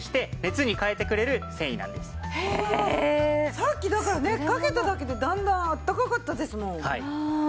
さっきだからねかけただけでだんだんあったかかったですもん。